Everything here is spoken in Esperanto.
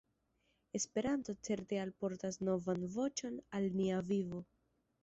Esperanto certe alportas novan voĉon al nia vivo.